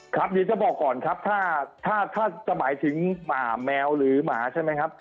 เดี๋ยวจะบอกก่อนครับถ้าจะหมายถึงหมาแมวหรือหมาใช่ไหมครับ